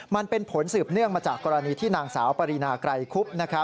มันเป็นผลสืบเนื่องมาจากกรณีที่นางสาวปรินาไกรคุบ